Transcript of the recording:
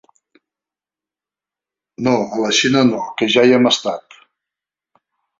«No, a la Xina no, que ja hi hem estat».